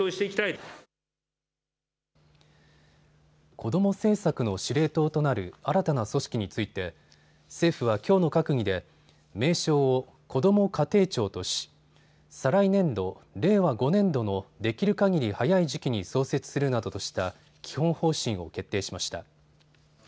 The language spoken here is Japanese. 子ども政策の司令塔となる新たな組織について政府はきょうの閣議で名称をこども家庭庁とし再来年度・令和５年度のできるかぎり早い時期に創設するなどとした基本方針を決定しました。